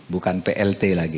bukan plt lagi